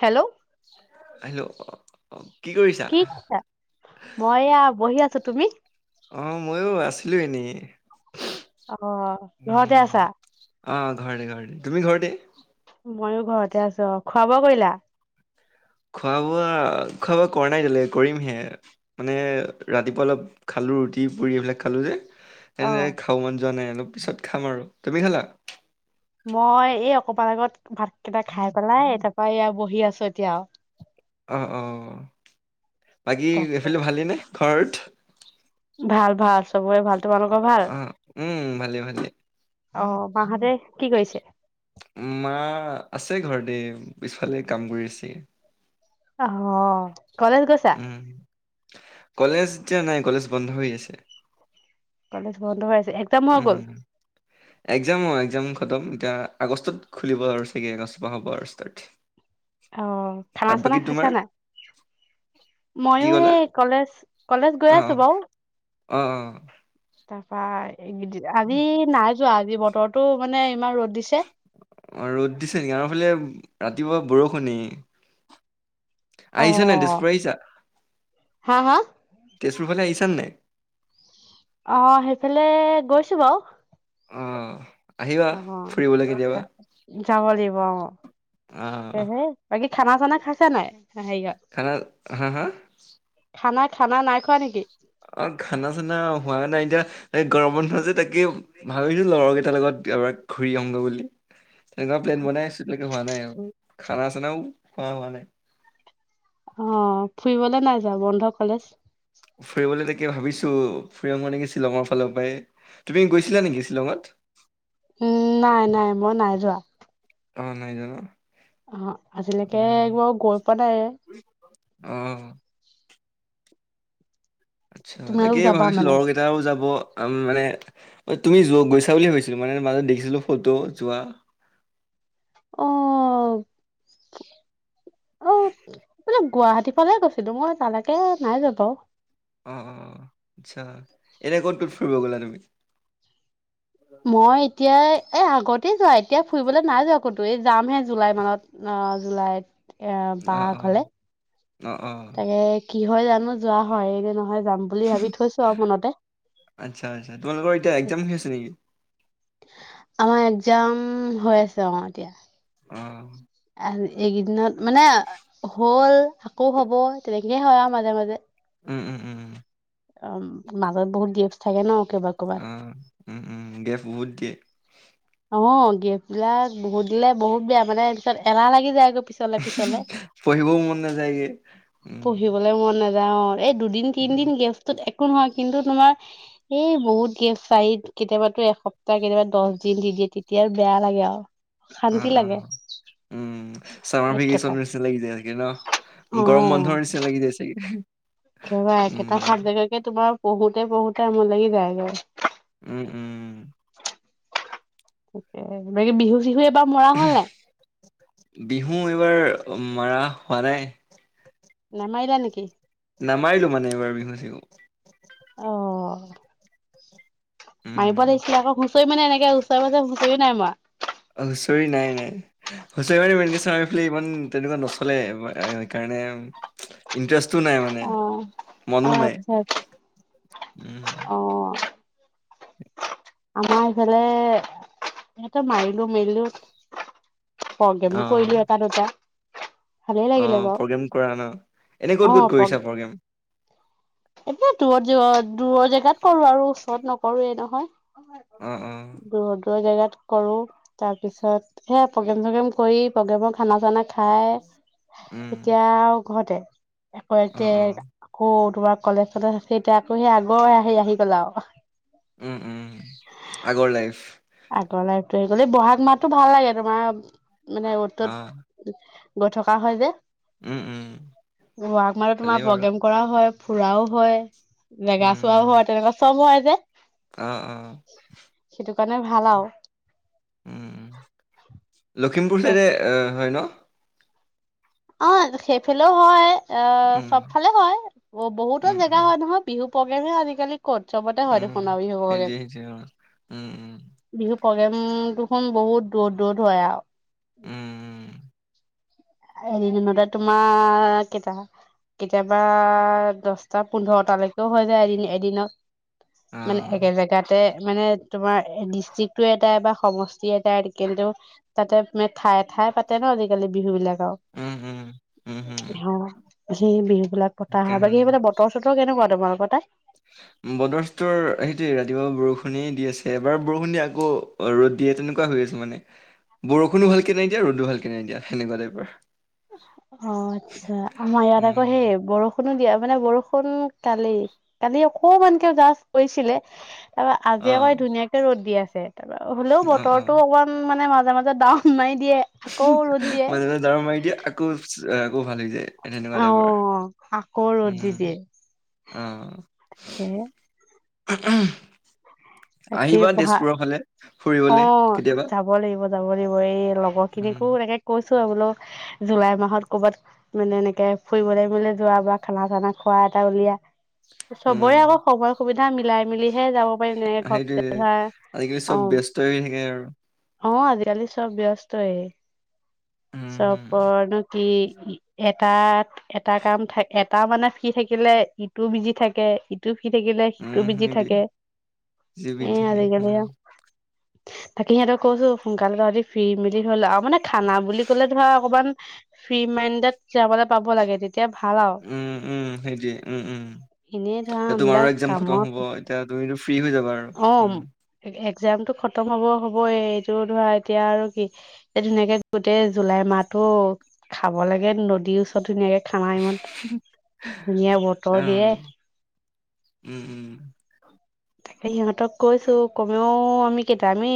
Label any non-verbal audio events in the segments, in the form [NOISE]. Hello. Hello. কি কৰিছা মই এয়া বহি আছো তুমি অ' ময়ো আছিলো এনেই। অ ঘৰতে উম আছা অ' ঘৰতে ঘৰতে তুমি ঘৰতে। মইয়ো ঘৰতে আছো অ' খোৱা-বোৱা কৰিলা। খোৱা-বোৱা, খোৱা-বোৱা কৰা নাই এতিয়ালে কৰিমহে, মানে ৰাতিপুৱা অলপ খালো ৰুটি-পুৰি এইবিলাক খালো যে। অ এনেয়ে খাব মান যোৱা নাই এনেই। পিছত খাম আৰু তুমি খালা। মই এই অকমান আগত ভাত কেইটা খাই পেলাই তাপা এয়া বহি আছো এতিয়া। অহ-অহ। বাকী তাকে এইফালে ভালেইনে। ঘৰত। ভাল- ভাল। চবৰে ভাল, তোমালোকৰ ভাল। অ' উম ভালে ভালে। অ' মাহঁতে কি কৰিছে মা আছে ঘৰতে, পিছফালে কাম কৰি আছে। অ'। কলেজ গৈছা। উম, কলেজ এতিয়া নাই, কলেজ বন্ধ হৈ আছে। কলেজ বন্ধ হৈছে একদম হৈ গ'ল? একজাম অ' একজাম খতম এতিয়া আগষ্টত খুলিব আৰু চাগে আগষ্টৰ পৰা হ'ব আৰু ষ্টাৰ্ট অ' আৰু খানা-চানা বাকী তোমাৰ খাইছা নাই, কি ময়ো ক'লা? সেই কলেজ কলেজ গৈ আছো অ' বাৰু অ' অ' তাৰপা এই আজি নাই যোৱা, আজি বতৰৰতো মানে ইমান ৰ'দ। দিছে অ'ৰ'দ দিছে নেকি, আমাৰ ফালে ৰাতিপুৱা বৰষুণেই আহিছা নাই, তেজপুৰ আহিছা? হা-হা তেজপুৰ ফালে আহিছা নে? অ' সেইফালে গৈছো বাৰু অ' আহিবা ফুৰিবলৈ অ' কেতিয়াবা। যাব লাগিব অ' অ' তাকেহে বাকী খানা-চানা খাইছা নাই? হেৰিয়ত খানা হা-হা। খানা খানা নাই খোৱা নেকি? অ' খানা চানা হোৱা নাই এতিয়া এ গৰমবন্ধ যে তাকে ভাবিছো লগৰ কেইটাৰ লগত এবাৰ ঘূৰি আহিমগৈ বুলি। তেনেকুৱা প্লেন বনাই আছো তাকে হোৱা নাই আৰু খানা চানাও। খোৱা হোৱা নাই। অ'। ফুৰিবলে নাই যোৱা বন্ধ কলেজ। ফুৰিবলৈ তাকে ভাবিছো ফুৰি আহো নেকি শ্বিলঙৰ ফালৰ পৰাই তুমি গৈছিলা নেকি শ্বিলঙত। উম্ নাই, নাই মই নাই যোৱা। অ' নাই যোৱা ন। অ' আজিলৈকে উম। একবাৰু গৈ পোৱা নাই। অ'। আচ্ছা, তোমালোক তাকে যাবা ভাবিছো মানে লগৰ কেইটাও যাব মানে। তুমি যোৱা গৈছা বুলি ভাবিছিলো মানে মাজতে দেখিছিলো ফটো যোৱা। অ' অ' মানে গুৱাহাটী ফালে গৈছিলো মই তালৈকে নাই যোৱা বাৰু। অ'অ' আচ্ছা এনে ক'ত ক'ত ফুৰিব গলা তুমি? মই এতিয়া এ আগতেই যোৱা এতিয়া ফুৰিবলৈ নাই যোৱা ক'তো। যামহে জুলাই মাহত অ'। জুলাইত। এয়া অ বা অ ঘৰলে। অ', অ'। তাকে কি হয় জানো যোৱা হয়গে নহয়? যাম বুলি উম ভাবি উম থৈছো আৰু মনতে আচ্ছা আচ্ছা তোমালোকৰ এতিয়া এক্জাম হৈ আছে নেকি? আমাৰ একজাম হৈ আছে অ'এতিয়া। অ'। আৰু এইকেইদিনত মানে হ'ল আকৌ হ'ব তেনেকে হয় আৰু মাজে মাজে। উম উম উম। অ', মাজত বহুত গেপ্ছ থাকে ন। ক'ৰবাত ক'ৰবাত অ উম উম গেপ্ছ বহুত দিয়ে। অ' গেপ্ছবিলাক বহুত দিলে বহুত বেয়া মানে। এলাহ লাগি যায়গে। পঢ়িবও মন নাযায়গে উম। যাওঁ। এই দুদিন তিনদিন গেপ্ছটোত এক নহয় কিন্তু তোমাৰ এই বহুত গেছ চাৰিত কেতিয়াবাতো এসপ্তাহ কেতিয়াবা দহ দিন দি দিয়ে তেতিয়া আৰু বেয়া লাগে আৰু অ শান্তি লাগে। অ উম চামাৰ একেটা ভেকেশচনৰ নিচিনা লাগি যায় চাগে, ন গৰম বন্ধৰ নিচিনা লাগি যায় চাগে। উম।। সবােটা থাত জেগাকে তোমাৰ, পঢ়ো পঢ়োতে আমনি লাগি যায় গে। উম উম উম।। ঠিকে মনেকে বিহু চিহু এবাৰ মৰা হ'ল নাই বিহু এইবাৰ মৰা হোৱা নাই। নামাৰিবা নেকি? নামাৰিলো মানে এইবাৰ বিহু চিহু। অ' উম, মাৰিব লাগিছিলে আকৌ। তুমি মানে এনেকে ওচৰ পাজে হুচৰি নাই মৰা? হুচৰি নাই নাই। হুচৰি মানে [UNINTELLIGIBLE] ইমান তেনেকুৱা নচলে সেইকাৰণে ইণ্টাৰেষ্ট টো নাই মানে। অ অ মনো নাই। আচ্ছা আচ্ছা উম। অ আমাৰ ইফালে, সিহঁতে মাৰিলো-মেলিলো প্ৰগেমো কৰিলো অ', এটা-দুটা। অ', প্ৰগ্ৰেম কৰা ন? এনে ক'ত ক'ত কৰিছা প্ৰগ্ৰেম? একে দূৰত-দূৰত, দূৰৰ জেগাত কৰো আৰু ওচৰত নকৰোয়ে অ', অ', নহয়। দূৰ-দূৰ জেগাত কৰো। তাৰপিছত, সেয়া প্ৰগ্ৰেম-চগ্ৰেম কৰি, প্ৰগ্ৰেমৰ খানা-চানা খাই উম, এতিয়া আও ঘৰতে। আকৌ একে অ', অ', আকৌ কবাত কলেজ-চলেজ আছে। এতিয়া আকৌ সেই আগৰ হেই আহি গ'ল আৰু। উম, উম, আগৰ লাইফ। আগৰ লাইফটো আহি গ'ল। এই ব'হাগ মাহতটো ভাল লাগে, তোমাৰ মানে অ', অত-ত'ত গৈ থকা হয় যে। উম, উম। [UNINTELLIGIBLE] তোমাৰ ভালেই বাৰু প্ৰগ্ৰেম কৰা হয়। ফুৰাও হয়। জেগা চোৱাও উম, হয় তেনেকুৱা চব হয়। যে অ', অ', সেইটো। মানে ভালা আও। উম, ল। লখিমপুৰ তাক চাইদে। হয় ন। অ, সেইফালেও হয়। অ, উম, চবফালে হয়, বহুতো উম, জেগা উম, হয় নহয় বিহু। পগেজু আজিকালি। কত শৱতে হয় উম, দেখোন বিহু বকে সেইটোৱে সেইটোৱে অ', উম, উম, বিহু। প্ৰগ্ৰেম দুখন বহুত দূৰত দূৰত হয় আৰু। উম। এদিনিনতে তোমাৰ কটা, কেতিয়াবা দছটা পোন্ধৰটালৈকেও হৈ যায় এদিন এদিনত। মানে অ', একে জেগাতে। মানে তোমাৰ ডিষ্ট্ৰিক্টো এটাই বা সমষ্টি এটাই কিন্তু তাতে মে ঠাইে ঠাই পাতে ন আজিকালি বিহু বিলাক। অ উম, উম, উম, হম, হ। সেই বি। এইবিলাক পা হয় বাক সেইবিল বতৰ চতৰ কেনেকুৱা। তমাৰ কথা। বদৰ চদৰ, সেইটো ৰাতিপুৱা বৰষুণেই দি আছে এবাৰ বৰষুণ দি আকৌ ৰ'দ দিয়ে তেনেকুৱা হৈ আছে মানে বৰষুণো ভালকে নাইদিয়া ৰ'দো ভালকে নাইদিয়া সেনেুৱা টাইপৰ। অ আচ্ছা, আমাৰ ইয়াত উম, আকৌ সেই বৰষুণ। বৰষুনো দিয়া মানে বৰষুণ কালি, কালি অকমানকে জাষ্ট কৰিছিলে। তাৰ আজ অ', আকৌ ধুনীয়াকে ৰ'দ দি আছে। তাপা হ'লেও অ', অ', বতৰতো অকণমান মানে মাজ। মাজে মাজত দাহও নাই। দিয়ে, আকৌ ৰ'দ দিয়ে। মই আকৌ। অ। ভাল হৈ যায় এনেকুৱা তাইপৰ। ক ৰ'দ দি দিয়ে, তাকেহে। উ উম। তাকে পঢ়া, অ ফুৰিবলে কেতিয়াবা। যাব লাগিব যাব লাগিব এই লগৰ উম, খিনিকো এনেকে কৈ। বোলও জুলাই মাহত, কৰ'ৰবাত মানে এনেকে ফুৰিবলৈ মলৈ যোৱা বা খানা চানা খোৱা এটা উলিয়া। উম, চবৰে আকৌ সময় সুবিধা। মিলাই। মিলিহে যাব পাৰিম এনেকে। আজি, কালি চব ব্যস্ত হৈ থাকে আৰু। অ আজিকালি চব ব্যস্ত। উম, হুম, [UNINTELLIGIBLE] এটাত, এটা কাম থ এটা মানে ফ্ৰী থাকিলে ইটো বিজি থাকে ইটো। শিকি থাকিলে সিটো উম, বিজি সেইটোৱে থাকে, জিবি এ থাকে আজিকালি। উম। তাকে সিহঁতক কৈছো সোনকালে তহঁ ফি মিলি গল আৰু মানে। খানা বুলি। অকমান, ফ্ৰী মাইণ্ডেড যাবলৈ পাব লাগে তেতি। উম উম সেইটোৱে উম উম, এনেই ধৰা এ তোমাৰো এইবিলাক এক্জাম খতম কামত হ'ব এতিয়া তুমি। ফ্ৰী হৈ যাবা আৰু অ উম। এক্জামটো খতম হব হবই এইটো ধৰা এতিয়া আৰু, কি এ ধুনীয়াকে গোটেই জুলাই মাহতটো খাব লাগে নদীৰ ওচৰত ধুনীয়াকে। খানা ইমান, ধুনীয়া বতৰ উম, দিয়ে। উম, উম, তাকে সিহঁতক কৈছো কমেও আমি কেইটা আমি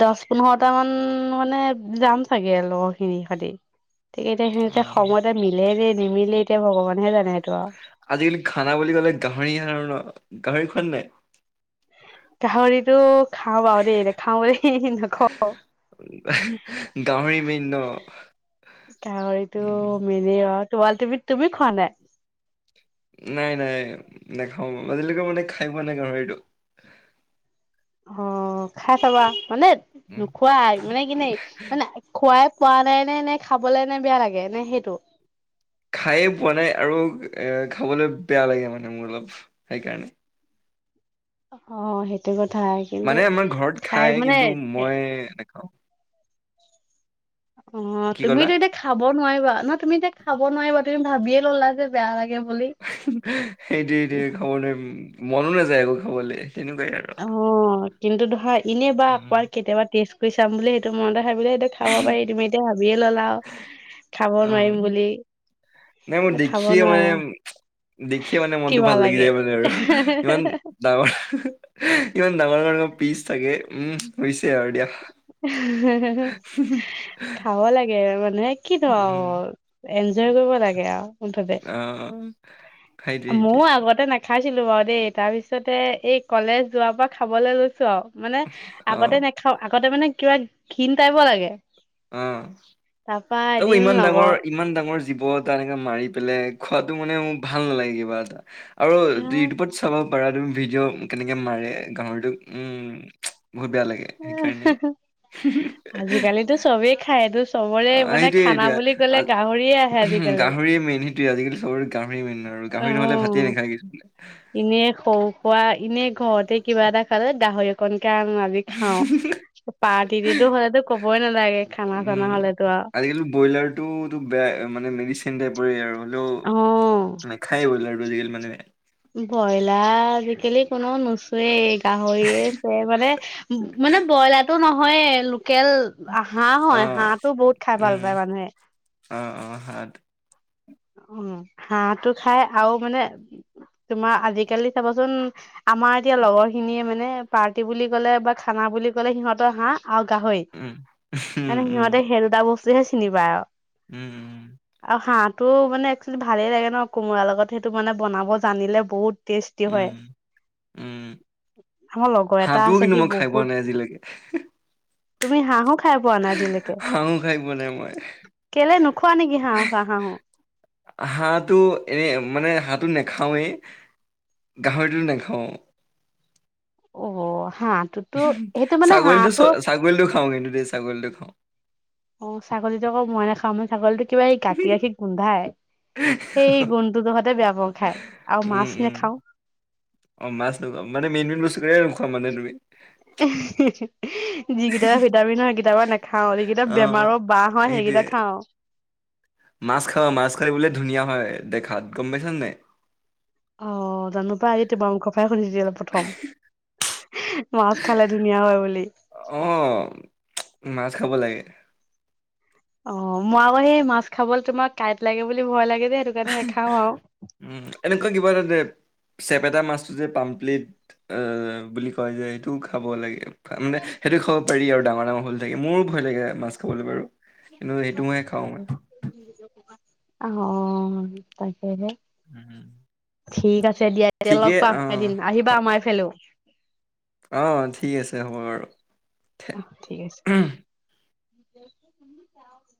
দহ পোন্ধৰটামান মানে যাম চাগে লগৰ খিনি হতি অ'। [UNINTELLIGIBLE] নিমিলে এতিয়া ভগৱানে হে জানে সেইটো আৰু আজিকালি খানা বুলি ক'লে গাহৰিয়ে আৰু ন গাহৰি খোৱা নে নাই? গাহৰিটো খাওঁ বাৰু দেই নেখাওঁ বুলি নকওঁ গাহৰি মেইন ন? গাহৰিটো উম, [UNINTELLIGIBLE] তুমি তুমি খোৱা নে নাই নাই নেখাওঁ আজিলৈকে মানে খাই পোৱা নাই গাহৰিটো অ খাই চাবা [UNINTELLIGIBLE] উম। পোৱা নাই নে নে খাবলে নে বেয়া লাগে নে সেইটো খায়ে পোৱা নাই আৰু এ খাবলৈ বেয়া লাগে মানে মোৰ অলপ সেইকাৰণে অ সেইটো কথা কিন্তু মানে আমাৰ ঘৰত খাই খায় মানে কিন্তু মই নেখাওঁ অ কি ক'লা? তুমিতো এতিয়া খাব নোৱাৰিবা ন তুমি এতিয়া খাব নোৱাৰিবা তুমি ভাবিয়ে ল'লা যে বেয়া লাগে বুলি সেইটো সেইটোয়ে খাব নোৱাৰিম মনো নাযায় একো খাবলৈ। তেনেকুৱাই আৰু। অ', কিন্তু দহয়। এনেই বা আকাৰ কেতিয়াবা তেজ। চাম বুলি সেইটো মনতে খাই বোলে সেইটো খাব পাৰি তুমি এতিয়া ভাবিয়ে ল'লা আৰু। খাব অ নোৱাৰিম বুলি নাই মোৰ খাব দেখিয়ে মানে নোৱাৰা দেখিয়ে মানে মনটো কিবা ভাল লাগি লাগে। যায় মানে আৰু ইমান ডাঙৰ। ইমান ডাঙৰ ডাঙৰ পিছ। চাগে উম হৈছে আৰু দিয়া। হে হে খাব লাগে। [UNINTELLIGIBLE] কি থ উম, এনজয় কৰিব লাগে আৰু মুঠতে। [UNINTELLIGIBLE] সেইটোৱে মোৰ আগতে না খাইছিলো বাৰু দেই তাৰপিছতে এই কলেজ যোৱাৰ পৰা খাবলৈ লৈছো আৰু। মানে অ', আগতে নেখাও আগতে মানে। কিবা ঘীণ টাইপৰ লাগে। অ তাৰপা তাকো এদিন ইমান ডাঙৰ লগৰ ইমান ডাঙৰ জীৱ এ এনেকে মাৰি পেলাই খোৱাতটো মানে ম ভাল নালাগে কিবা এটা। আৰু টোপত চাব। পাৰ ত ভিডিঅ' কেনেকে মাৰে গাহৰিটো উম। বহুত বেয়া লাগে সেইকাৰণে। চবে খায়। এটো অ সেইটোয়ে এইটয়ে গাহৰিয়ে আহে আজিকালি। গাহৰিয় মেইন সেইটোয়ে আজিকালি চবৰে গাহৰি মেইন আৰু গাহৰি নহলে ভাতেই অ', নাখায় কিছুমানে তে কিবা এটা খাল গাহৰি অকণ স কাৰণ আজি খাও পাৰ্টিটো হলে কবই নালাগে খানা চানা উম। হলেতো আৰু আজিকালি ব্ৰইলাৰটোতো হেলো অ'। নেখায় বলে আজি কালি মানেহে ব্ৰইলাৰ আজিকালি কোনো নোচোৱেই গাহৰিয়ে চৱে মানে মানে ব্ৰইলাৰটো নহয়ে লোকেল হাঁহ অ হয় হাঁহটো বহুত খাই ভাল উম পায় মানুহে অ অ হাত অ হাঁহটো খাই আৰু মানে তোমাৰ আজিকালি চাবচোন আমাৰ এতিয়া লগৰ খিনিয়ে মানে পাৰ্টি বুলি কলে বা খানা বুলি ক'লে সিহঁতৰ হাঁহ। আৰু গাহৰি উম উম মানে উম সিহঁতে খেকেতা বস্তু হে চিনি পাই আৰু। উম উম। তো মানে একচলি ভালেই লাগে ন কোমোৰাৰ লগত সেইটো মানে বনাব জানিলে বহুত টেষ্টি হয়, উম উম আমাৰ লগৰ এটা হাঁহটোও আছে কিন্তু সি মই খাই পোৱা বহুত নাই আজিলৈকে তুমি হাঁহো খাই পোৱা নাই আজিলৈকে? হাঁহো খাই পোৱা নাই মই কেলে নোখোৱা নেকি হাঁহ চাহ হাঁহো। হাঁহটো এনে মানে হাঁহটো নেখাওৱেই, গাহৰিটোত নাখাওঁ। অ'হ। ছাগলীটো ছাগলীটো খাওঁ কিন্তু দেই, ছাগলীটো অহ। অ', ছাগলীতো আকৌ মই নাখাওঁ, মানে ছাগলী কিবা এই গাখীৰ গাখীৰ গোন্ধাই, সেই গোন্ধটোতো সতে বেয়া পোৱা খায়, আৰু মাছ উম উম নেখাও। অ মাছ নোখোৱা মানে মেইন মেইন [UNINTELLIGIBLE] মানে তুমি যিকেইটা ভিটামিন হয়, সেই কেইাবা নাখাও যিকেইটা অ বেমাৰৰ বাহ হয়, সেইটোৱে সেইকেইটা খাও। মাছ খাব মাছ খৰিবলে ধুনীয়া হয় দেখাত, গম পাইছা নে নাই? অ' জানো পাই‌ আজি তোমাৰ মুখৰ পৰা শুনিছিল অ' প্ৰথম। মাছ খালে ধুনীয়া হয় বুলি। অ মাছ খাব লাগে অ', মই আকৌ সেই মাছ খাবলৈ তোমাক কাঁইট লাগে বুলি ভয় লাগে। যে সেইটো কাৰণে নাখাও উম, এনেুৱা কিবাৰ যে চেপেটা মাছটো যে পামপ্লেট, অহ বুলি কয় যে সেইটোও খাব লাগে। মানে সেইটো খাব পাৰি আৰু ডাঙৰ ডাঙৰ হল লাগে, মোৰো ভয় লাগে মাছ খাবলৈ বাৰু। কিন্তু এইটো মই খাওঁ। অহ, অ' তাকেহে। উম। ঠিক আছে দিয়া এতিয়া লগ ঠিকে পাম এদিন অ' আহিবা আমাৰ এইফালেও আহ ঠিক আছে হ'ব বাৰু। অহ ঠিক আছে। [INAUDIBLE]